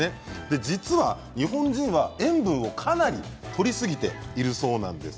実は、日本人は塩分をかなりとりすぎているということです。